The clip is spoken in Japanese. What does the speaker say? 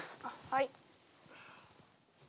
はい。